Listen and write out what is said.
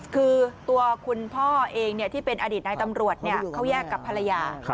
คือตัวคุณพ่อเองที่เป็นอดีตนายตำรวจเขาแยกกับภรรยา